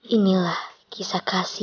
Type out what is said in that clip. ibu aku bisa tirut